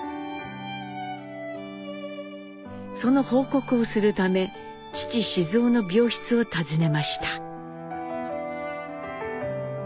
その報告をするため父雄の病室を訪ねました。